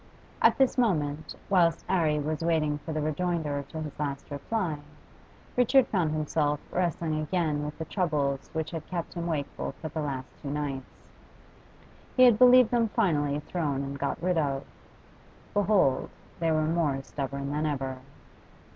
At this moment, whilst 'Arry was waiting for the rejoinder to his last reply, Richard found himself wrestling again with the troubles which had kept him wakeful for the last two nights. He had believed them finally thrown and got rid of. Behold, they were more stubborn than ever.